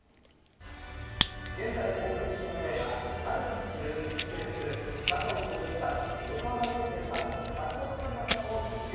現在公開中の映画、春に散るに出演する佐藤浩市さん、横浜流星さん、橋本環奈さんを直撃。